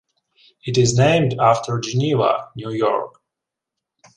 It is named after Geneva, New York.